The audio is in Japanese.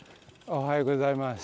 おはようございます。